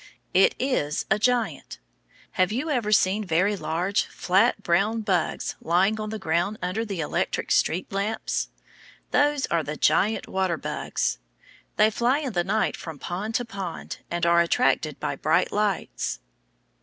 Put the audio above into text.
It is a giant! Have you ever seen very large, flat brown bugs lying on the ground under the electric street lamps? Those are the giant water bugs. They fly in the night from pond to pond, and are attracted by bright lights.